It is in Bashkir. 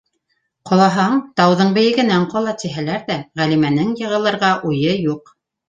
Ҡолаһаң, тауҙың бейегенән ҡола, тиһәләр ҙә, Ғәлимәнең йығылырға уйы юҡ.